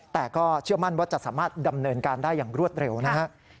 แต่ก็เชื่อมั่นว่าจะสามารถดำเนินการได้อย่างรวดเร็วนะครับ